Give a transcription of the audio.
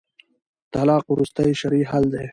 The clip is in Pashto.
طلاق وروستی شرعي حل دی